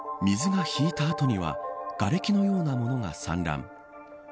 水が引いた後にはがれきのような物が散乱。